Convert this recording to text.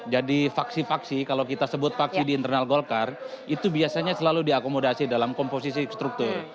jadi faksi faksi kalau kita sebut faksi di internal golkar itu biasanya selalu diakomodasi dalam komposisi struktur